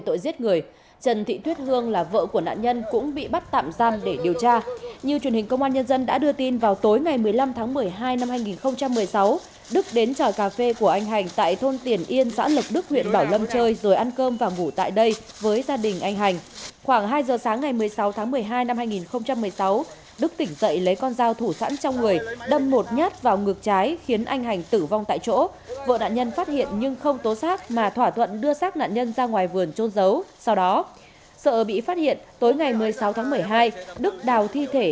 tối ngày một mươi sáu tháng một mươi hai đức đào thi thể tiếp tục trở về dãy cà phê gần nhà mình để trôn giấu